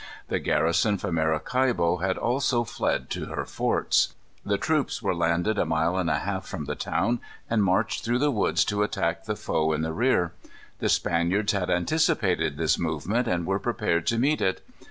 The garrison from Maracaibo had also fled to her forts. The troops were landed a mile and a half from the town, and marched through the woods to attack the foe in the rear. The Spaniards had anticipated this movement and were prepared to meet it.